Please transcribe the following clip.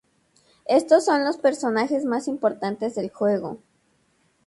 Estos son los personajes más importantes del juego.